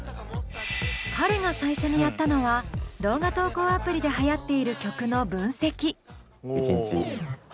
彼が最初にやったのは動画投稿アプリではやっている曲の分析。